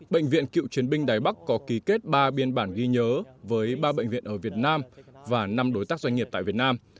bệnh viện cựu chiến binh đài bắc có ký kết ba biên bản ghi nhớ với ba bệnh viện ở việt nam và năm đối tác doanh nghiệp tại việt nam